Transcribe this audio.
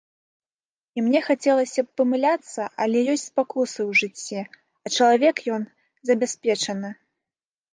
І мне хацелася б памыляцца, але ёсць спакусы ў жыцці, а чалавек ён забяспечаны.